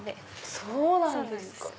そうなんですか。